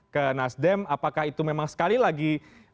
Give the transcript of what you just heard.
ke nasdem apakah itu memang sekali lagi